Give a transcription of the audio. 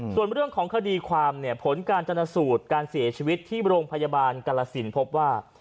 ส่วนเรื่องของคดีความเนี่ยผลการจนสูตรการเสียชีวิตที่โรงพยาบาลกรสินพบว่า